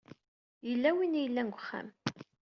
Yella win i yellan deg uxxam.